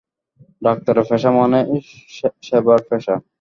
ডাক্তারের পেশা মানেই সেবার পেশা।